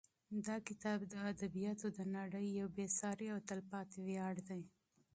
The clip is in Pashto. دا کتاب د ادبیاتو د نړۍ یو بې سارې او تلپاتې ویاړ دی.